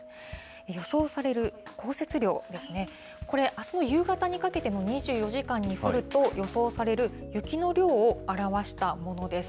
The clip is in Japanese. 予想される降雪量ですね、これ、あすの夕方にかけての２４時間に降ると予想される雪の量を表したものです。